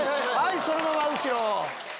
そのまま後ろ！